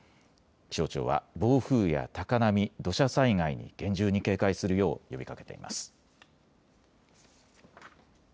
気象庁は暴風や高波、土砂災害に厳重に警戒するよう呼びかけています。